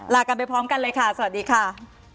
ลากันไปพร้อมกันเลยค่ะสวัสดีค่ะ